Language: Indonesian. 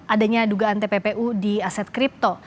adanya dugaan tppu di aset kripto